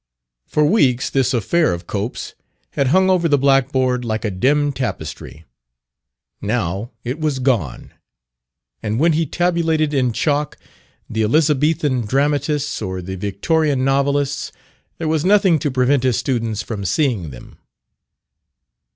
For weeks this affair of Cope's had hung over the blackboard like a dim tapestry. Now it was gone; and when he tabulated in chalk the Elizabethan dramatists or the Victorian novelists there was nothing to prevent his students from seeing them.